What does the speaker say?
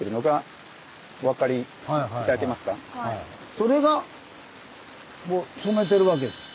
それが染めてるわけですか。